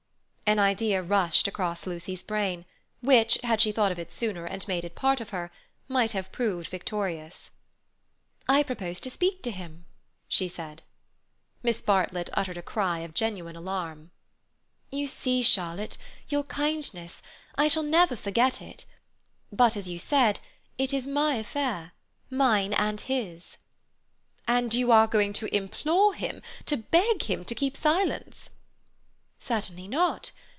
An idea rushed across Lucy's brain, which, had she thought of it sooner and made it part of her, might have proved victorious. "I propose to speak to him," said she. Miss Bartlett uttered a cry of genuine alarm. "You see, Charlotte, your kindness—I shall never forget it. But—as you said—it is my affair. Mine and his." "And you are going to implore him, to beg him to keep silence?" "Certainly not.